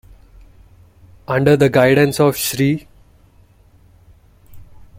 Under the guidance of Shri.